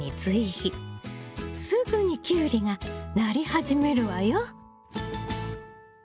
すぐにキュウリがなり始めるわよ。